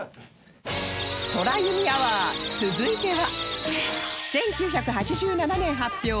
空ユミアワー続いては１９８７年発表